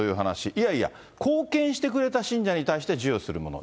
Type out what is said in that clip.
いやいや、貢献してくれた信者に対して授与するもの。